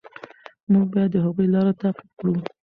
موږ باید د هغوی لاره تعقیب کړو.